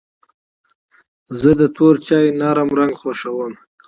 زه د تور چای نرم رنګ خوښوم.